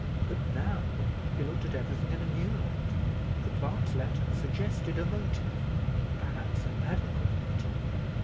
But now he looked at everything in a new light. The clerk's letter suggested a motive, perhaps an adequate motive.